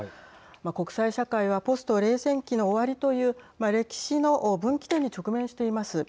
国際社会はポスト冷戦期の終わりという歴史の分岐点に直面しています。